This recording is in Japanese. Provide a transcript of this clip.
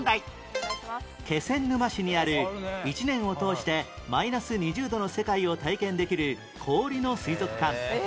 気仙沼市にある１年を通してマイナス２０度の世界を体験できる氷の水族館